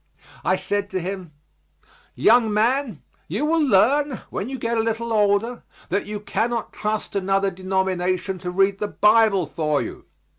I said to him, "Young man, you will learn, when you get a little older, that you cannot trust another denomination to read the Bible for you."